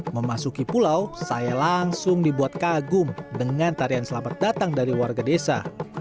memasuki pulau saya langsung dibuat kagum dengan tarian selamat datang dari warga desa